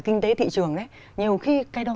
kinh tế thị trường nhiều khi cái đó